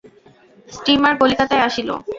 Steamer কলিকাতায় আসিল।